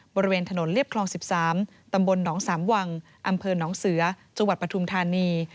บริเวณถนนเรียบคลอง๑๓ตำบลหนองสามวังอำเภอหนองเสือจังหวัดปฐุมธานี